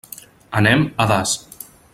Anem a Das.